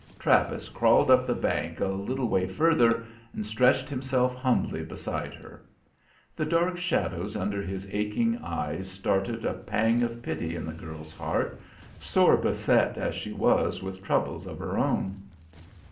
Travis crawled up the bank a little way further, and stretched himself humbly beside her. The dark shadows under his aching eyes started a pang of pity in the girl's heart, sore beset as she was with troubles of her own.